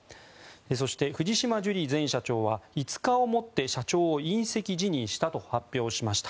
そして、藤島ジュリー前社長は５日をもって社長を引責辞任したと発表しました。